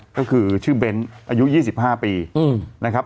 ก็คือชื่อเบ้นอายุ๒๕ปีนะครับ